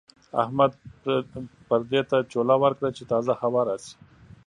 احمد پردې ته چوله ورکړه چې تازه هوا راشي.